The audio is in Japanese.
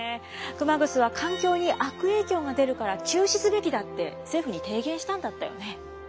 熊楠は環境に悪影響が出るから中止すべきだって政府に提言したんだったよね。